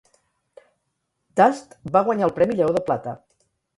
"Dust" va guanyar el premi Lleó de Plata.